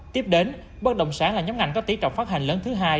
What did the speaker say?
tiếp đến bất động sản là nhóm ngành có tỷ trọng phát hành lớn thứ hai